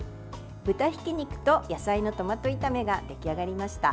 豚ひき肉と野菜のトマト炒めが出来上がりました。